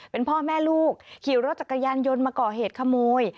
เป็นพ่อแม่ลูกขี่รถจักรยานยนต์มาก่อเหตุขโมย